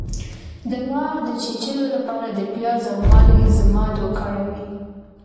د مار د چیچلو لپاره د پیاز او مالګې ضماد وکاروئ